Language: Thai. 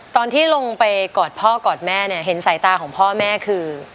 ตอนที่ลงไปกอดพ่อกอดแม่เนี่ยเห็นสายตาของพ่อแม่คือ